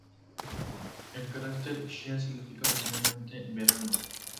El carácter "xia" significa originalmente "verano".